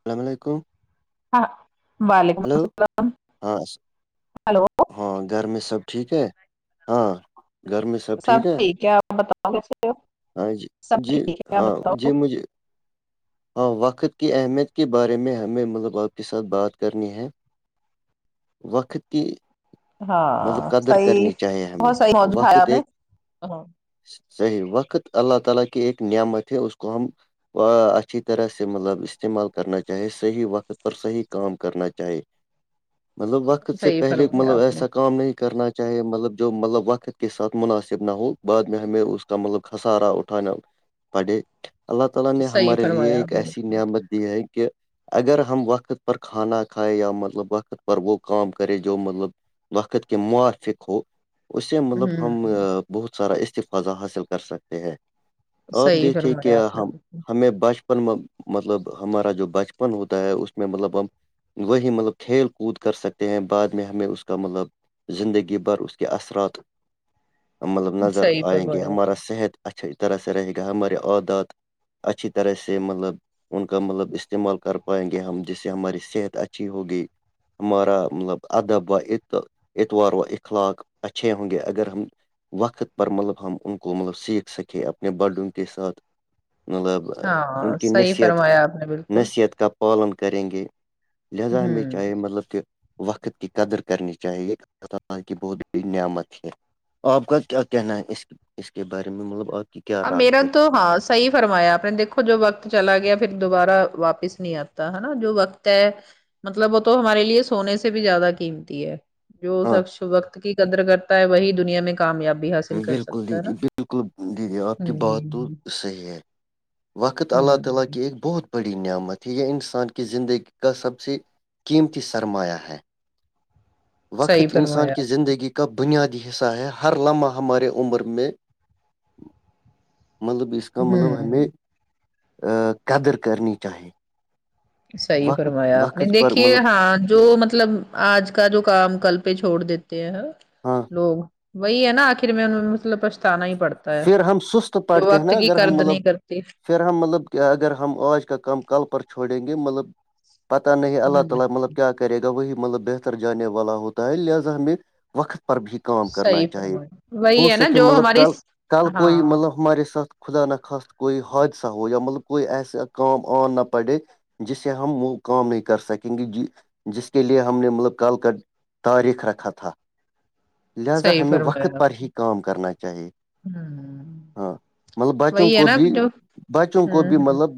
السلام علیکم ہاں وعلیکم ہلو السلام ہاں س- ہلو ہاں گھر میں سب ٹھیک ہے ہاں گھر میں سب سب ٹھیک ہے بتاؤ کے ہاں جی سب جی ٹھیک ہے ہاں جی بتاؤ مجھے ہاں وقت کی اہمیت کے بارے میں ہمیں مطلب آپ کے ساتھ بات کرنی ہے وقت کی مطلب ہاں قدر صحیح کرنی چاہیے ہمیں بہت صحیح موضوع اٹھایا وقت آپ نے ایک ہاں صحیح وقت اللہ تعالی کی ایک نعمت ہے اس کو ہم اچھی طرح سے مطلب استعمال کرنا چاہے صحیح وقت پر صحیح کام کرنا چاہے مطلب وقت سے صحیح پہلے فرمایا مطلب آپ نے ایسا کام نہیں کرنا چاہے مطلب جو مطلب وقت کے ساتھ مناسب نہ ہو بعد میں ہمیں اس کا مطلب خسارا اٹھانا پڑھے اللہ تعالی نے صحیح ہمارے لیے فرمایا ایک آپ نے ہوں ایسی نعمت دی ہے کہ اگر ہم وقت پر کھانا کھائےیں یا مطلب وقت پر وہ کام کریں جو مطلب وقت کے موافق ہو اس سے مطلب ہم بہت سارا استفاذہ حاصل کر سکتے ہیں اب صحیح دیکھے فرمایا کیا آپ نے ہم ہمیں بچ بن مطلب ہمارا جو بچپن ہوتا ہے اس میں مطلب ہم وہی مطلب کھیل کود کر سکتے ہیں بعد میں ہمیں اس کا مطلب زندگی بھر اس کے اثرات مطلب نظر صحیح آئیں گے فرمایا ہمارا صحت اچھی طرح سے رہے گا ہمارے عادات اچھی طرح سے سے مطلب ان کا مطلب استعمال کر پائیں گے ہم جس سے ہماری صحت اچھی ہوگی ہمارا مطلب ادب واداب و اخلاق اچھے ہوں گے اگر ہم وقت پر مطلب ہم ان کو مطلب سیکھ سکیں اپنے بڑوں کے ساتھ مطلب ان ہاں کی صحیح نصیحت فرمایا آپ نے بالکل نصیحت کا پالن کریں گے لہذا ہمیں ہوں چاہے مطلب کہ وقت کی قدر کرنی چاہیے اللہ تعالی کی بہت بڑی نعمت ہے آپ کا کیا کہنا ہے اس اس کے بارے میں مطلب آپ کی کیا رائے میرا ہے تو ہاں صحیح فرمایا آپ نے دیکھو جو وقت چلا گیا پھر دوبارہ واپس نہیں آتا ہے نا جو وقت ہے مطلب وہ تو ہمارے لیے سونے سے بھی زیادہ قیمتی ہے جو ہاں شخص وقت کی قدر کرتا ہے وہی دنیا میں کامیابی حاصل کر سکتا ہے نا شکر دیدی آپ کی بات تو ہوں صحیح ہے وقت اللہ تعالی ہوں کے ایک بہت بڑی نعمت ہے یہ انسان کی زندگی کا سب سے قیمتی سرمایہ ہے صحیح وقت انسان فرمایا کی آپ نے زندگی کی کب بنیادی حصہ ہے ہر لمحہ ہمارے عمر میں مطلب اس کا مطلب ہمیں ہوں قدر کرنی چاہیے صحیح وقت فرمایا آپ نے وقت پر دیکھیے مطلب ہاں جو مطلب آج کا جو کام کل پہ چھوڑ دیتے ہیں ہاں لوگ وہی ہے نا آخر میں ان مطلب پچھتانا ہی پڑتا ہے پھر ہم سست جو پڑھتے ہیں وقت نا کی اگر ہم قدر مطلب نہیں کرتے پھر ہم مطلب کہ اگر ہم آج کا کام کل پر چھوڑیں گے مطلب پتہ نہیں اللہ ہوں تعالی مطلب کیا کرے گا وہی مطلب بہتر جان والا ہوتا ہے لہذا ہمیں وقت پر بھی کام کرنا صحیح چاہیے فرمایا ہو وہی ہے نا سکے جو مطلب ہماری کل کل کوئی مطلب ہاں مطلب ہمارے ساتھ خدا نہ خاست کوئی حادثہ ہو یا مطلب کوئی ایسے کام آن نہ پڑے جس سے ہم وہ کام نہیں کر سکیں گے جی جس کے لیے ہم نے مطلب کل کا تاریخ رکھا تھالہذا صحیح ہمیں وقت پر ہی کام کرنا چاہیے ہاں ہاں مطلب بچوں کو بھی بچوں کو ہوں بھی ہوں مطلب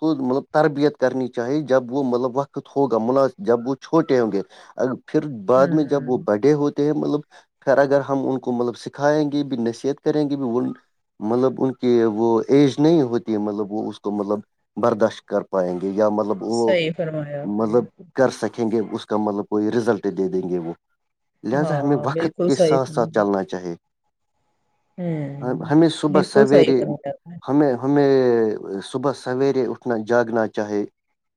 کو مطلب تربیت کرنی چاہیے جب وہ مطلب وقت ہوگا ملا جب وہ چھوٹے ہوں گے اگر پھر بعد میں جب وہ ہوں بڑے ہوتے ہیں مطلب پھر اگر ہم ان کو مطلب سکھائیں گے بھی نصیحت کریں گے بھی وہ مطلب ان کی وہ ایج نہیں ہوتی مطلب وہ اس کو مطلب برداشت کر پائیں گے یا مطلب صحیح فرمایا نے آپ نے رکھیں گے اس کا مطلب کوئی رزلٹ دے دیں گے وہ لہذا ہمیں ہاں وقت بالکل کے صحیح ساتھ ساتھ فرمایا چلنا چاہیے ہوں ہمیں صبح بالکل صحیح سویرے فرمایا آپ نے ہمیں ہمیں صبح سویرے اٹھنا جاگنا چاہے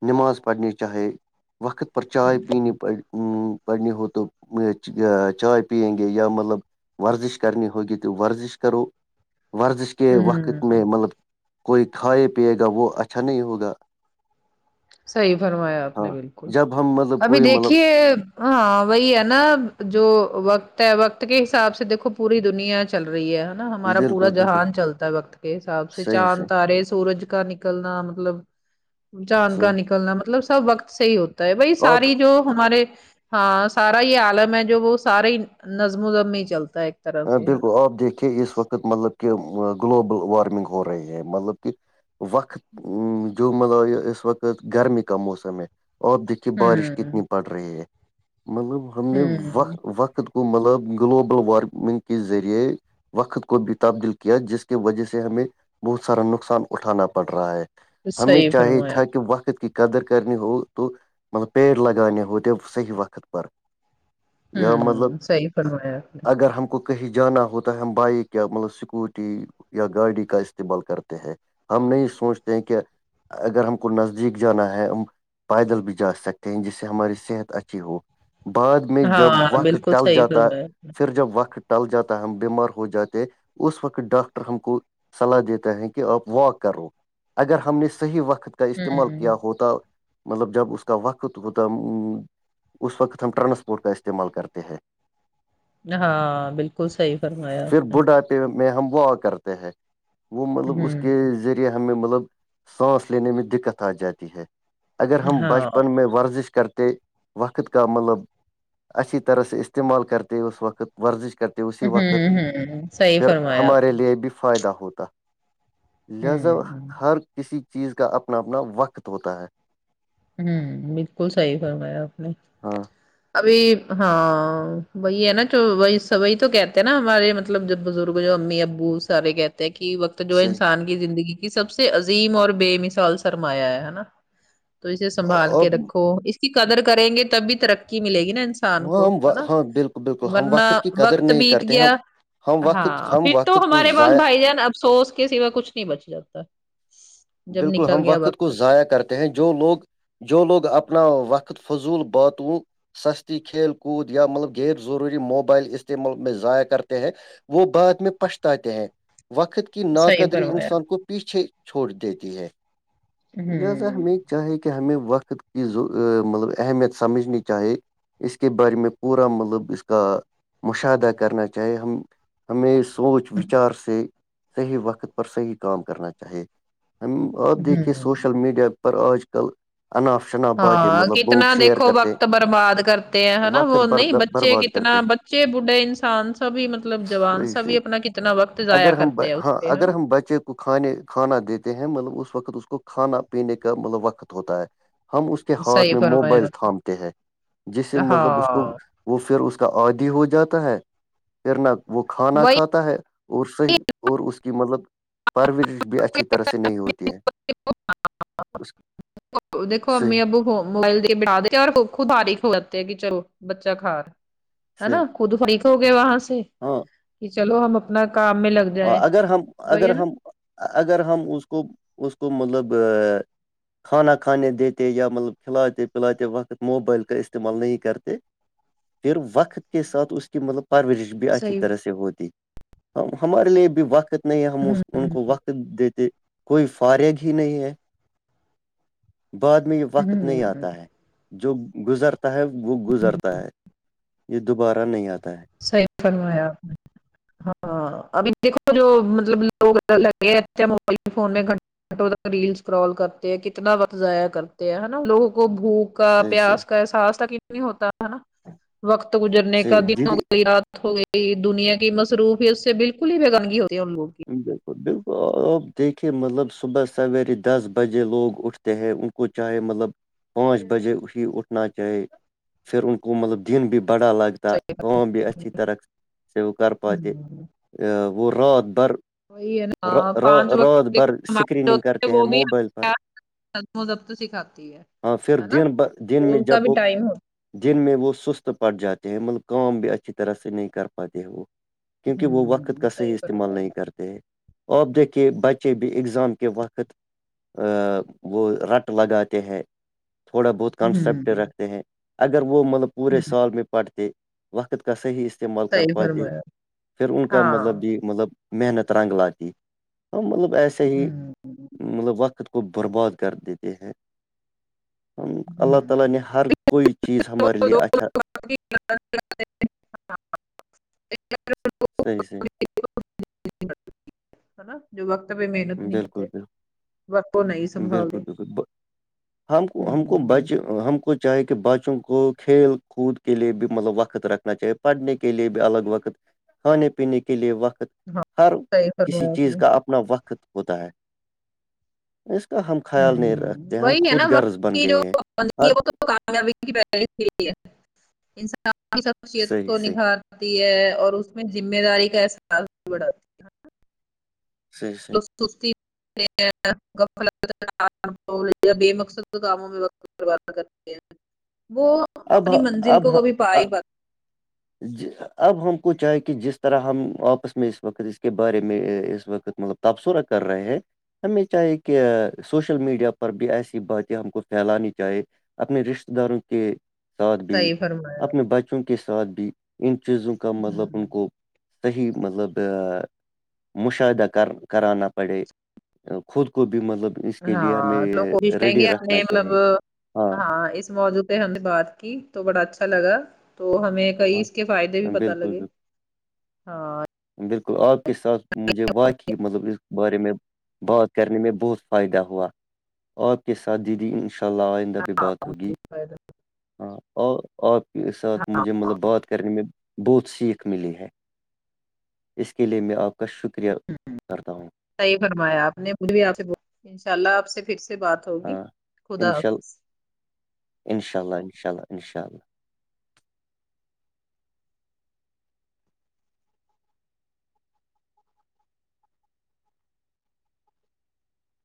نماز پڑنی چاہے وقت پر چائے پینی پڑنی ہوں پڑنی ہو تو چائے پیئیں گے یا مطلب ورزش کرنی ہوگی تو ورزش کرو ورزش کے وقت ہوں میں مطلب کوئی کھائے پیے گا وہ اچھا نہیں ہوگا صحیح فرمایا آپ ہاں نے بالکل جب ہم مطلب ابھی کوئی دیکھیے مطلب ہاں وہی ہے نا جو وقت ہے وقت کے حساب سے دیکھو پوری دنیا چل رہی ہے نا ہمارا پورا بالکل بالکل جہان چلتا ہے وقت کے حساب سے صحیح چاند صحیح تارے سورج کا نکلنا مطلب جان کا صحیح نکلنا مطلب سب وقت سے ہوتا ہے وہی اور ساری جو ہمارے ہاں سارا یہ عالم ہے جو وہ سارا ہی نظم زمیں چلتا ہے طرح سے ہے نا بالکل آپ دیکھیے اس وقت مطلب کہ گلوبل وارمنگ ہو رہی ہے مطلب کہ وقت جو ملب یہ اس وقت گرمی کا موسم ہے اورپ د کہ بارش ہوں کتنی پڑ رہی ہے مطلب ہم نے وق ہوں وقت کو مطلب گلوبل وارمنگ کے ذریعے وقت کو بھی تبدیل کیا جس کی وجہ سے ہمیں بہت سارا نقصان اٹھانا پڑ رہا ہے ہمیں صحیح چاہیے فرمایا تھا کہ وقت ک قدر کرنی ہو تو مطلب پیڑ لگانانے ہو تو صحیح وقت پر یہیا مطلب ہوں صحیح فرمایا آپ نے اگر ہم کو کہیں جانا ہوتا ہے ہم بائک یا مطلب سکوٹی یا گاڑی کا استعمال کرتے ہیں ہم نہیں سوچتے ہیں کہ اگر ہم کو نزدیک جانا ہے پیدل بھی جا سکتے ہیں جس سے ہماری صحت اچھی ہو بعد میں جب ہاں وقت بالکل ٹل صحیح جاتا فرمایا آپ نے پھر جب وقت ٹل جاتا ہے ہم بیمار ہو جاتے اس وقت ڈاکٹر ہم کو صلاح دیتا ہے کہ آپ واک کرو اگر ہم نے صحیح وقت کا استعمال ہوں کیا ہوتا مطلب جب اس کا وقت ہوتا اس وقت ہم ٹرانسپورٹ کا استعمال کرتے ہیں ہاں بالکل صحیح فرمایا پھر اس نے بڑھاپے میں ہم وا کرتے ہیں وہ مطلب اس ہوں کے ہمیں مطلب سانس لینے میں دکت آ جاتی ہے اگر ہم ہاں بچپن میں ورزش کرتے وقت کا مطلب اچھی طرح سے استعمال کرتے ہو اس وقت ورزش کرتی اسی وقت ہوں ہوں صحیح پھر فرمایا آپ ہمارے نے۔ لیے بھی فائدہ ہوتا لہذا ہوں ہر کسی چیز کا اپنا اپنا وقت ہوتا ہے ہوں بالکل صحیح فرمایا اپ نے ہاں ابھی ہاں وہی ہے نا جو وہی وہی تو کہتے ہیں نا ہمارے مطلب جو بزرگ جو امی ابو سار کہتے ہیں کہقت جو صحیح انسان کی زندگی کی سب سے عظیم اور بے مثال سرمایہ ہے ہے نا تو اسے سنبھال اور کے رکھو اس کی قدر کریں گے تب بھی ترقی ملے گی نا کسان ہاں کو ہم ہے نا ہاں بالکل بالکل ہم ورنہ وقت کی قدر وقت نہیں بیت کرتے ہیں گیا ہم وقت ہاں ہم پھر تو وقت کو ہمارے پاس ضائع بھائی جان افسوس کے سوا کچھ نہیں بچ جاتا جب بالکل نکل ہم گیا وقت کو ضائع کرتے ہیں جو لوگ جو لوگ اپنا وقت فضول باتوں سستی کھیل کود یا مطلب غیر ضروری موبائل استعمال میں ضائع کرتے ہیں وہ بعد میں پچتاتے ہیں وقت صحیح ناقدری فرمایا انسان کو پیچھے چھو دیتی ہے لہذا ہوں ہم چاہے کہ ہمیں وقت کی مطلب اہمیت سمجھنی چاہے اس کے بارے میں پورا مطلب اس کا مشاہدہ کرنا چاہیے ہم ہمیں سوچ وچار سے صحیح وقت پر صحیح کام کرنا چاہے ہم آپ دیکھیے ہوں سوشل میڈیا پر آج کل اناپ شناپ باتیں ہاں مطلب لوگ کتنا شیئر دیکھو کرتے وقت برباد کرتے ہیںا وقت وہ نہیں بچے برباد کتنا کرتے ہیں بچے بڑھے انسان سبھی مطلب جوان صحیح سبھی صحیح اپنا کتنا وقت ضائیا اگر ہم کرتے ہیں اس ہاں پہا اگر ہم بچے کو کھانے کھانا دیتے ہیں مطلب اس وقت اس کو کھانا پینے کا مطلب وقت ہوتا ہے ہم اس کے ہاتھ صحیح میں موبائل فرمایا تھامتے ہیں جس سے ہاں مطلب اس کو وہ پھر اس کا عادی ہو جاتا ہے پھر نہ وہ کھانا وہی کھاتا ہے اور صحیح اور اس کی مطلب پرورش بھی اچھی طرح سے نہیں ہوتی ہے اس دیکھو سے امی ابو موبائل بٹا د اور خود فاریغ ہو جاتے ہے کہ چلو بچا کا رہ ہےا صحیح خود فریق ہو گیا وہاں ہاں کہ چلو ہم اپنا کام میں لگ جائیں اگر ہم وہی اگر ہے نا ہم اگر ہم اس کو اس کو مطلب کھانا کھانے دیتے یا مطلب کھلاتے پلاتے وقت موبائل کا استعمال نہیں کرتے پھر وقت کے ساتھ اس کی مطلب پرورش بھی اچھی صحیح طرح سے ہوتی ہم ہمارے لیے بھی وقت نہیں ہے ہم ہوں ان کو وقت دیتے کوئی ف فارغ ہی نہیں ہے بعد میں یہ وقت نہیں ہوں آتا ہے جو گزرتا ہے وہ گزرتا ہے یہ دوبارہ نہیں آتا ہے صحیح فرمایا آپ نے ہاں ابھی دیکھو جو مطلب لوگ لگے اچھا موبائل فون میں آٹو تک ریل کرال کرتے ہیں کتنا وقت ضائع کرتے ہے نا لوگوں کو بھوک کا صحیح صحیح پیاس کا احساس ک نہیں ہوتا ہے نا وقت گزرنے کا صحیح دن دیدی ہو رات ہو گئی دنیا کی مصروف اس سے بالکل ہی بییگانگی ہو [inaudible] بالکل آپ دیکھیے مطلب صبح سویرے دس بجے لوگ اٹھتے ہیں ان کو چاہے مطلب پانچ بجے ای اٹھنا چاہے پھر ان کو مطلب دن بھی بڑا لگتا کام بھی اچھی طرح سے وہ کر صحیح۔ پاتے ہوں وہ رات بھر وہی ہے نا را- ہاں پانچ را- رات وقت بھر اسکریننگ کرتے ہیں وہ بھی موبائل پر سمزب تو سکھاتی ہاں پھر ہے نا ان کا بھی ٹائم ہو جن میں وہ سست پٹ جاتے ہیں مطلب کام بھی اچھی طرح سے نہیں کر پاتے ہیں وہ ہوتا کیونکہ وہ وقت ہوں کا صحیح استعمال فرمایا نہیں کیا ت ہیں آپ دیک کے بچے بھی ایگزام کے وقت وہ رٹ لگاتے ہیں تھوڑا بہت ہوں کنسپٹ ہوں رکھتے ہیں اگر وہ مطلب پورے سال میں پڑھتے وقت کا صحیح استعمال کر صحیح پاتے فرمایا پھر ان کا مطلب ہاں بھی مطلب محنت رنگ لاتی ہم مطلب ایسے ہی ہوں مطلب وقت پربوز کر دیتے ہیں اللہ تعالی ہوں نے ہر کوئی چیز ہمارے تو لیے دو اچھا لوگ باقی صحیح صی نا جو وقت پہ محنت نہیں بالکل کرتے بالکل وقت وہ نہیں بالکل سنبھالے بالکل ہم کو ہم کو بچ ہم کو چاہے کہ بچوں کو کھیل کود کے لیے بھی مطلب وقت رکھنا چاہے پڑھنے کے لیے بھی الگ وقت کھانے پینے کے لیے وقت ہاں ہر صحیح کسی فرمایا آپ چیز نے کا اپنا وقت ہوتا ہے اس کا ہم خیال نہیں ہوں رکھتے ہم وہی ہے نا خود وقت غرض بن کی جو گئے ہیں ہر وہ تو کامیابی کی انسان شخصیت صحیح کو صحیح نکھار آتی ہے اور اس میں ذمہ داری کا احساس اڑا سی سی ی مقد کاموں میں تے وہ اپنی منزل کو کبھی پا ہی پات ثب اب ہم کو چاہے کہ جس طرح ہم آپس میں اس وقت اس کے بارے میں اس وقت مطلب تبصرہ کر رہے ہیں ہمیں چاہی کہ سوشل میڈیا پر بھی ایسی باتیں ہم کو پھیلانی چاہی اپنے رشتتے داروں کے ساتھ بھی صحیح فرمایا آپ اپنے بچوں کے ساتھ بھی ان چیزوں کا نے مطلب ان کو صحیح مطلب مشاہدہ کر کرانا پڑے خود کو بھی مطلب اس کے لیے ہاں لوگ ہمیں کوشش کریں ریڈی گے رکھنا اپنے مطلب چاہیے ہاں اس موجوود سے ہم نے بات کی تو بڑا اچھا لگا تو ہمیں کئی ہاں اس کے فائدے بھی پت بالکل لگے بالکل ہاں بالکل آپ کے ساتھ مجھے واقعی مطلب اس بارے میں بات کرنے میں بہت فائدہ ہوا آپ کے ساتھ دیدی ان شاء اللہ آئے بھی ہاں بہت مجھے ہوگی فائدہ، ہاں اور اور ساتھ [unintelligible] ہاں ہاں، مطلب بات کرنے میں بہت سیکھ ملی ہے اس کے لیے میں آپ کو [unintelligible] کا شکریہ ہوں، کرتا ہوں [unintelligible] صحیح فرمایا آپ نے مجھ بھی آپ سے ب ان شاء اللہ آپ سے پھر سے بات ہوگی ہاں خدا انشاء اللہ حافظ انشاء اللہ انشاء اللہ انشاء اللہ [unintelligible]